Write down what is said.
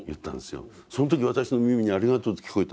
その時私の耳に「ありがとう」って聞こえた。